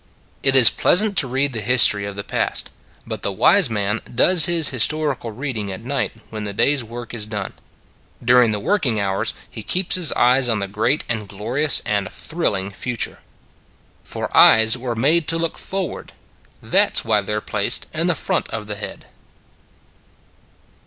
It is pleasant to read the history of the past but the wise man does his histor ical reading at night when the day s work is done. During the working hours he keeps his eyes on the great and glorious and thrilling future. For eyes were made to look forward; that s why they re placed in the front of the head.